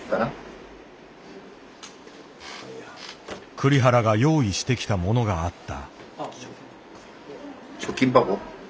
栗原が用意してきたものがあった。